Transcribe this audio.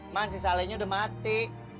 man si salenya udah mati